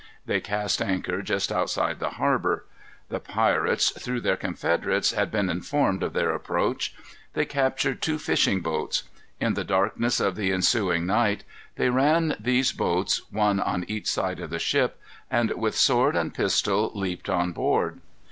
They cast anchor just outside the harbor. The pirates, through their confederates, had been informed of their approach. They captured two fishing boats. In the darkness of the ensuing night, they ran these boats, one on each side of the ship, and with sword and pistol leaped on board.